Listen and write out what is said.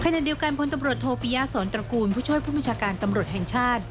ขณะเดียวกันพลตำรวจโทปิยาสอนตระกูลผู้ช่วยผู้บัญชาการตำรวจแห่งชาติ